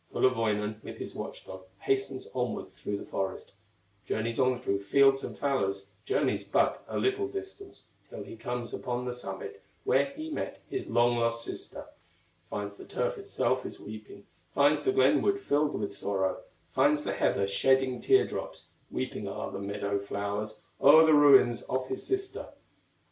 Kullerwoinen, with his watch dog, Hastens onward through the forest, Journeys on through fields and fallows; Journeys but a little distance, Till he comes upon the summit Where he met his long lost sister; Finds the turf itself is weeping, Finds the glen wood filled with sorrow, Finds the heather shedding tear drops, Weeping are the meadow flowers, O'er the ruin of his sister.